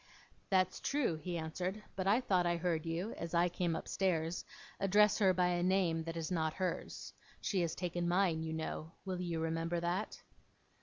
'That's true,' he answered. 'But I thought I heard you, as I came upstairs, address her by a name that is not hers. She has taken mine, you know. Will you remember that?